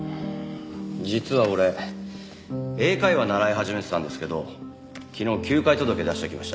実は俺英会話習い始めてたんですけど昨日休会届出してきました。